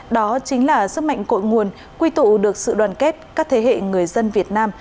đó chính là sức mạnh cội nguồn quy tụ được sự đoàn kết các thế hệ người dân việt nam